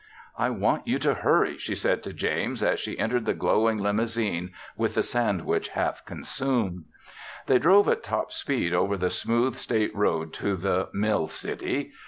"I want you to hurry," she said to James as she entered the glowing limousine with the sandwich half consumed. They drove at top speed over the smooth, state road to the mill city.